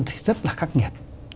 thì rất là khắc nghiệt